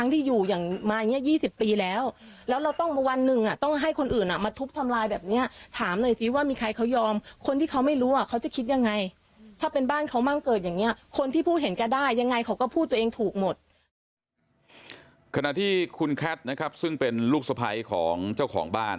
ขณะที่คุณแคทนะครับซึ่งเป็นลูกสะพ้ายของเจ้าของบ้าน